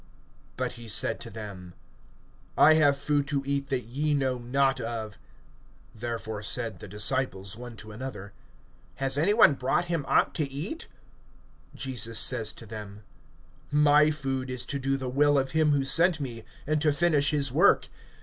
(32)But he said to them: I have food to eat that ye know not of. (33)Therefore said the disciples one to another: Has any one brought him aught to eat? (34)Jesus says to them: My food is to do the will of him who sent me, and to finish his work.